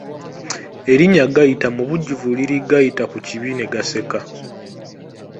Erinnya Gayita mu bujjuvu liri Gayita ku kibi ne gaseka.